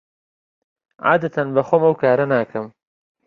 عادەتەن بەخۆم ئەو کارە ناکەم.